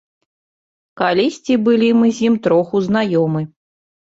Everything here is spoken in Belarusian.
Калісьці былі мы з ім троху знаёмы.